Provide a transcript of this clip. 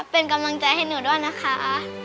เป็นกำลังใจให้หนูด้วยนะคะ